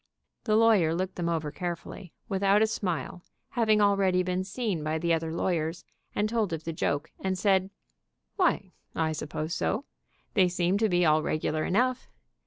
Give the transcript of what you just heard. The lawyer looked them over carefully, without a smile, having already been seen by the other lawyers, and told of the joke, and said : "Why, I suppose so. They seem to be all regular enough.